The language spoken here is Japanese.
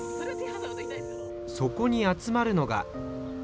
そこに集まるのが。